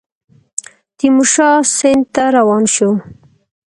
تیمورشاه سند ته روان شو.